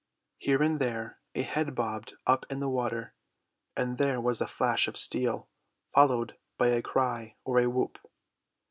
Here and there a head bobbed up in the water, and there was a flash of steel followed by a cry or a whoop.